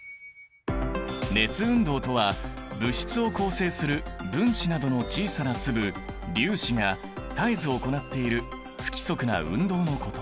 熱運動とは物質を構成する「分子」などの小さな粒「粒子」が絶えず行っている不規則な運動のこと。